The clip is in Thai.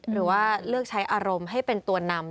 หรือว่าเลือกใช้อารมณ์ให้เป็นตัวนำ